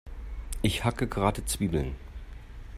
Ich hacke gerade Zwiebeln.